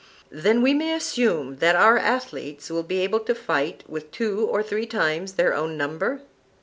Then we may assume that our athletes will be able to fight with two or three times their own number?